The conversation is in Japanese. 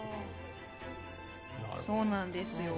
そうなんですよ。